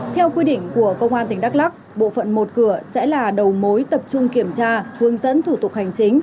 theo quy định của công an tỉnh đắk lắc bộ phận một cửa sẽ là đầu mối tập trung kiểm tra hướng dẫn thủ tục hành chính